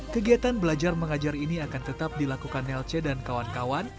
kegiatan belajar mengajar ini akan tetap dilakukan nelce dan kawan kawan